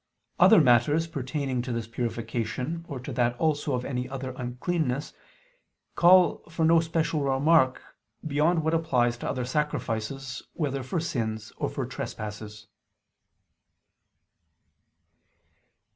Other matters pertaining to this purification, or to that also of any other uncleannesses, call for no special remark, beyond what applies to other sacrifices, whether for sins or for trespasses.